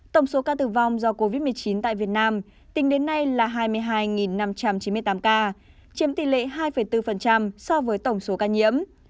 tổng số ca tử vong do covid một mươi chín tại việt nam tính đến nay là hai mươi hai năm trăm chín mươi tám ca chiếm tỷ lệ hai bốn so với tổng số ca nhiễm